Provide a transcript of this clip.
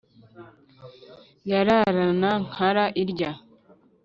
yararana nkara irya